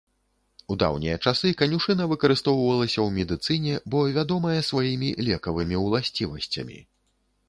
У даўнія часы канюшына выкарыстоўвалася ў медыцыне, бо вядомая сваімі лекавымі ўласцівасцямі.